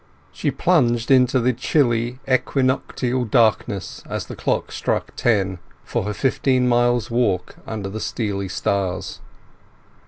L She plunged into the chilly equinoctial darkness as the clock struck ten, for her fifteen miles' walk under the steely stars.